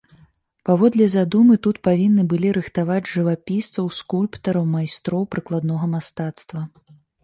Паводле задумы, тут павінны былі рыхтаваць жывапісцаў, скульптараў, майстроў прыкладнога мастацтва.